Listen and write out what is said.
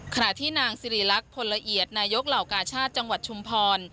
ขณะที่นางสิริรักษ์พลละเอียดนายกเหล่ากาชาติจังหวัดชุมพร